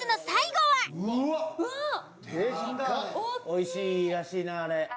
おいしいらしいなあれ。